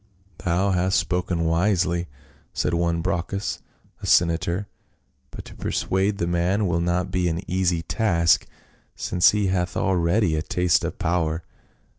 "Thou hast spoken wisely." said one Brocchus, a senator, " but to persuade the man will not be an easy task, since he hath had already a taste of power."